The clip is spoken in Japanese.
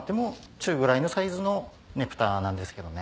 中ぐらいのサイズのねぷたなんですけどね。